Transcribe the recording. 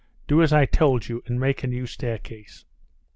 Do as I told you, and make a new staircase."